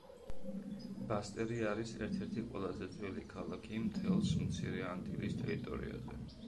ბასტერი არის ერთ-ერთი ყველაზე ძველი ქალაქი მთელს მცირე ანტილის ტერიტორიაზე.